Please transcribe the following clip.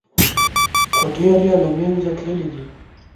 خو ډېر یې له منځه تللي دي.